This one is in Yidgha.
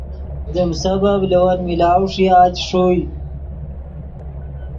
دیم سبب لے ون ملاؤ ݰویا چے ݰوئے